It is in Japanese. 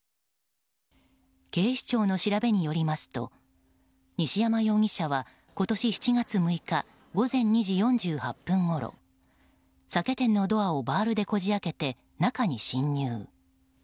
警視庁の調べによりますと西山容疑者は今年７月６日午前２時４８分ごろ酒店のドアをバールでこじ開けて中に侵入。